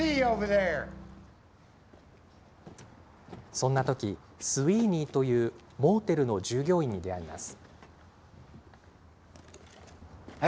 そんな時、スウィーニーというモーテルの従業員に出会います。